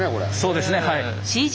そうですねはい。